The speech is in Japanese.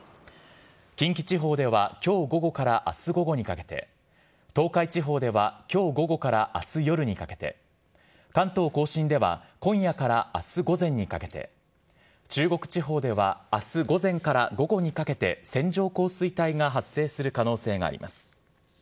近畿地方では、きょう午後からあす午後にかけて、東海地方ではきょう午後からあす夜にかけて、関東甲信では今夜からあす午前にかけて、中国地方では、あす午前から午後にかけて、線状降水帯が発生する可能性があります。